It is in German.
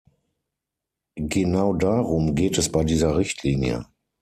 Genau darum geht es bei dieser Richtlinie.